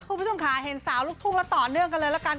คุณผู้ชมค่ะเห็นสาวลูกทุ่งแล้วต่อเนื่องกันเลยละกัน